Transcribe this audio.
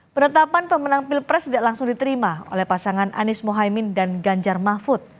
penetapan pemenang pilpres tidak langsung diterima oleh pasangan anies mohaimin dan ganjar mahfud